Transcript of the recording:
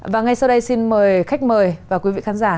và ngay sau đây xin mời khách mời và quý vị khán giả